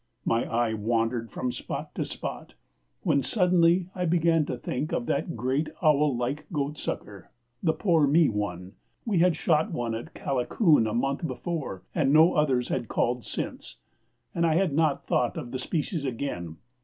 My eye wandered from spot to spot, when suddenly I began to think of that great owl like goatsucker, the 'poor me one.' We had shot one at Kalacoon a month before and no others had called since, and I had not thought of the species again.